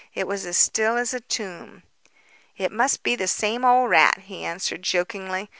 It was as still as a tomb. "It must be the same old rat," he answered jokingly.